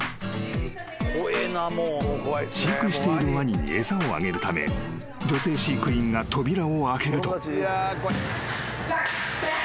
［飼育しているワニに餌をあげるため女性飼育員が扉を開けると］